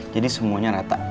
jadi semuanya rata